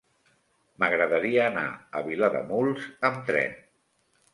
M'agradaria anar a Vilademuls amb tren.